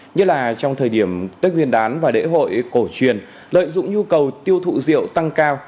như là trong thời điểm tết nguyên đán và lễ hội cổ truyền lợi dụng nhu cầu tiêu thụ rượu tăng cao